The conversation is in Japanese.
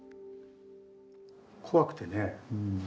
怖くてね。